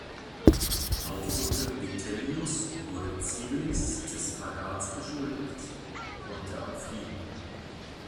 Auch unter Vitellius wurde Civilis des Verrates beschuldigt, konnte aber fliehen.